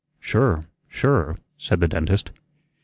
"Sure, sure," said the dentist.